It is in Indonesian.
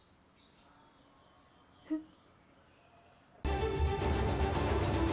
tidak ada yang bisa dikawal